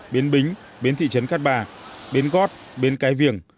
bến bính bến thị trấn cát bà bến gót bến cái viềng